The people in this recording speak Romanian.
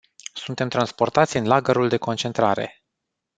Suntem transportați în lagărul de concentrare.